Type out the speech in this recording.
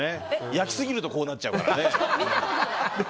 焼きすぎるとこうなっちゃうから。